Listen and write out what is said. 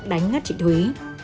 đánh ngắt chị thúy